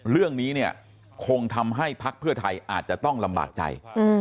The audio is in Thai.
เรื่องนี้เนี่ยคงทำให้พักเพื่อไทยอาจจะต้องลำบากใจ